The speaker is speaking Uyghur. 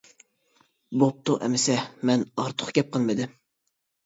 بوپتۇ ئەمسە؟ ؟ مەن ئارتۇق گەپ قىلمىدىم.